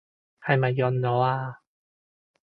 係咪潤我啊？